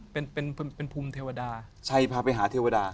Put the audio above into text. เป็นภูมิเทวดา